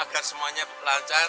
agar semuanya lancar